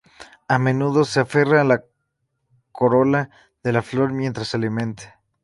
A menudo se aferra a la corola de la flor mientras se alimenta.